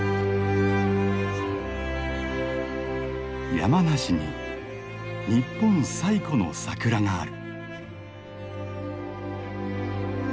山梨に日本最古の桜がある。